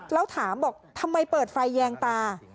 แล้วถามบอกทำไมเปิดไฟแยงตา